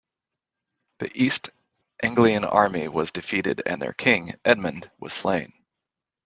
The East Anglian army was defeated and their king, Edmund, was slain.